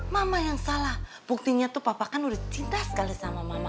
mama yang salah buktinya tuh papa kan udah cinta sekali sama mama